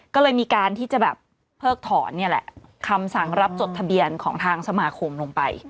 ก็เลยมีการที่จะแบบเพิกถอนนี่แหละคำสั่งรับจดทะเบียนของทางสมาคมลงไป